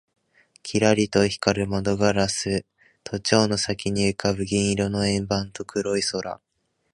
キラリと光る窓ガラス、都庁の先に浮ぶ銀色の円盤と黒い空